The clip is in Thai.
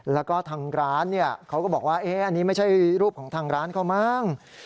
แล้วก็ทางร้านเขาก็บอกว่าอันนี้ไม่ใช่รูปของทางร้านเขามั้ง